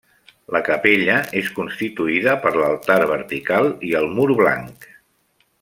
La Capella és constituïda per l'altar vertical i el mur blanc.